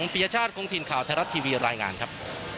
ปียชาติคงถิ่นข่าวไทยรัฐทีวีรายงานครับ